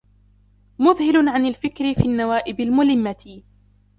مُذْهِلٌ عَنْ الْفِكْرِ فِي النَّوَائِبِ الْمُلِمَّةِ